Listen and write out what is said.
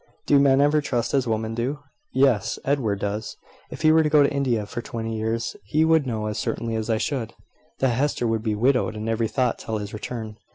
"Do men ever trust as women do?" "Yes, Edward does. If he were to go to India for twenty years, he would know, as certainly as I should, that Hester would be widowed in every thought till his return.